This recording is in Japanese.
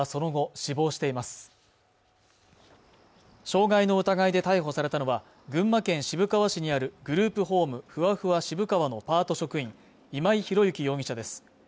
傷害の疑いで逮捕されたのは群馬県渋川市にあるグループホームふわふわ渋川のパート職員今井博之容疑者です